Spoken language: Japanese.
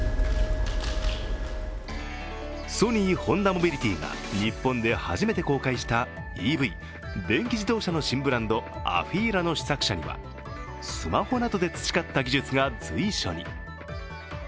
ソニー・ホンダモビリティが日本で初めて公開したＥＶ＝電気自動車の新ブランド、ＡＦＥＥＬＡの試作車にはスマホなどで培った技術が随所に。